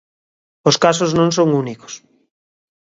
Os casos non son únicos.